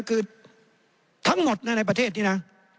คือทั้งหมดในประเทศนี้นะ